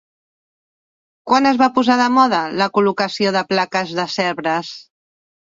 Quan es va posar de moda la col·locació de plaques de Sèvres?